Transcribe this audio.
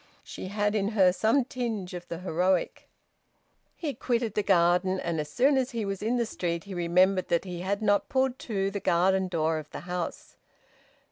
She had in her some tinge of the heroic. He quitted the garden, and as soon as he was in the street he remembered that he had not pulled to the garden door of the house.